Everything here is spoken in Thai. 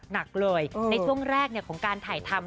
หนักเลยในช่วงแรกของการถ่ายทำ